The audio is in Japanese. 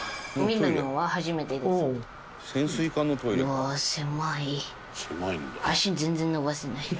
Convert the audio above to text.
うわあ狭い。